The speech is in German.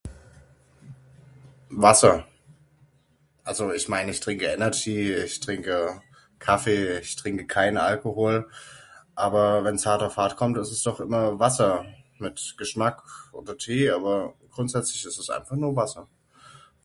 Wasser, also ich mein ich trinke Energy, ich trinke Kaffee, ich trinke keinen Alkohol aber wenns hart auf hart kommt ist es doch immer Wasser mit Geschmack oder Tee aber grundsätzlich ist es einfach nur Wasser.